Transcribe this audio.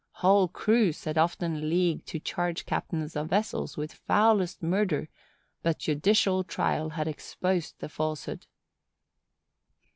Whole crews had been often leagued to charge captains of vessels with foulest murder, but judicial trial had exposed the falsehood.